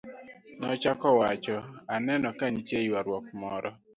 nochako wacho, aneno ka nitie ywaruok moro